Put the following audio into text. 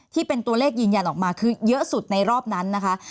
ที่เป็นตัวเลขยืนยันออกมาคือเยอะสุดในรอบนั้นนะคะ